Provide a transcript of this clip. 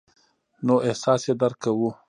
نو احساس یې درک کوو.